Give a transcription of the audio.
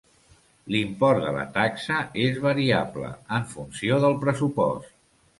L'import de la taxa és variable, en funció del pressupost.